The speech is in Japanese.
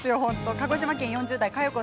鹿児島県４０代の方